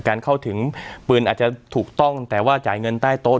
เข้าถึงปืนอาจจะถูกต้องแต่ว่าจ่ายเงินใต้โต๊ะ